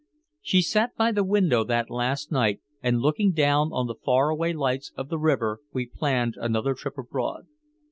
She sat by the window that last night, and looking down on the far away lights of the river we planned another trip abroad.